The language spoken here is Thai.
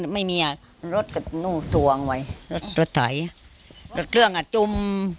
ไม่มีอ่ะรถตัดนู่งสดวงไว้รถรถถ่ายรถเครื่องอาจจุ่มอ๋อ